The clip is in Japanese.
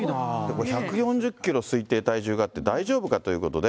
これ１４０キロ、推定体重があって大丈夫かということで。